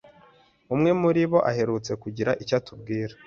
Umwe muri bo aherutse kugira icyo atubwira